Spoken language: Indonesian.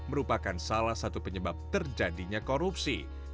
merupakan salah satu penyebab terjadinya korupsi